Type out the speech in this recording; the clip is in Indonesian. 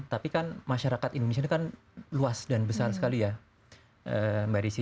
tapi kan masyarakat indonesia ini kan luas dan besar sekali ya mbak desi